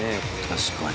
確かに。